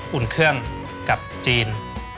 อุ่นเครื่องกับจีน